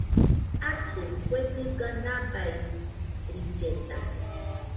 Atɨ , kue dɨga nabairillesa